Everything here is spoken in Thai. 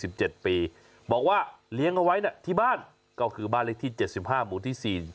บอกว่าเลี้ยงเอาไว้ที่บ้านก็คือบ้านเลขที่๗๕หมู่ที่๔